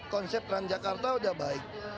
konsep transjakarta udah baik